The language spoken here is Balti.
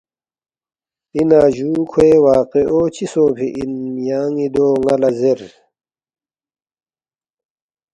”اِنا جُو کھوے واقعو چِہ سونگفی اِن؟ یان٘ی دو ن٘ا لہ زیر